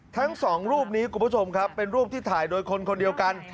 ทั้งสองรูปนี้คุณผู้ชมครับเป็นรูปที่ถ่ายโดยคนคนเดียวกัน